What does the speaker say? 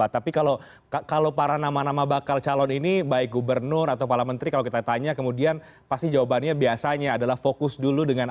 tapi kalau para nama nama bakal calon ini baik gubernur atau para menteri kalau kita tanya kemudian pasti jawabannya biasanya adalah fokus dulu dengan